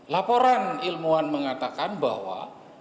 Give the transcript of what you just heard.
laporan ilmuwan mengatakan bahwa